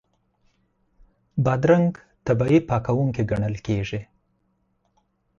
بادرنګ طبیعي پاکوونکی ګڼل کېږي.